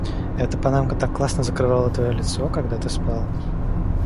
Эта панамка так классно закрывала твоё лицо, когда ты спал.